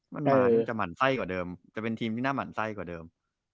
มันจะหมั่นไส้กว่าเดิมจะเป็นทีมที่น่าหมั่นไส้กว่าเดิม